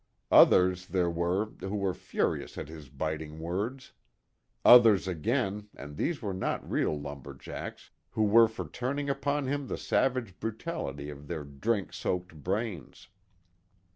Others there were who were furious at his biting words. Others again, and these were not real lumber jacks, who were for turning upon him the savage brutality of their drink soaked brains.